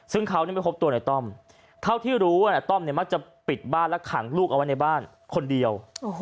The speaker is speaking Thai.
ซึ่งเขาไม่พบตัวในต้อมเท่าที่รู้ว่าต้อมเนี่ยมักจะปิดบ้านและขังลูกเอาไว้ในบ้านคนเดียว